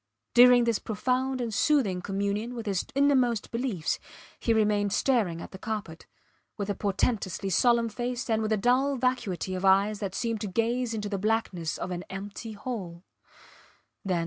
During this profound and soothing communion with his innermost beliefs he remained staring at the carpet, with a portentously solemn face and with a dull vacuity of eyes that seemed to gaze into the blankness of an empty hole.